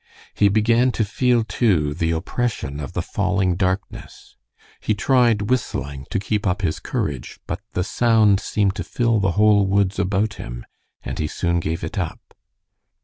He began to feel, too, the oppression of the falling darkness. He tried whistling to keep up his courage, but the sound seemed to fill the whole woods about him, and he soon gave it up.